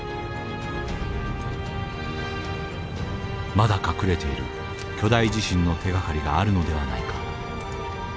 まだ隠れている巨大地震の手がかりがあるのではないか。